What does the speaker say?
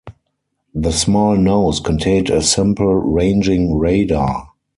The small nose contained a simple ranging radar.